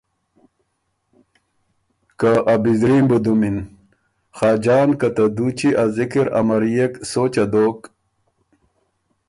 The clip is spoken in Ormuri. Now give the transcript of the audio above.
که ا بِزري م بُو دُمِن“ خاجان که ته دُوچی ا ذِکر امريېک سوچه دوک